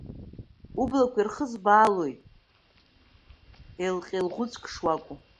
Ублақәа ирхызбаалоит еилҟьаеилӷәыцәк шуакәу!